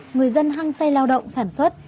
người dân hăng xây lao động sản xuất